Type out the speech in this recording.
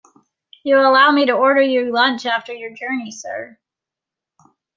You will allow me to order you lunch after your journey, sir.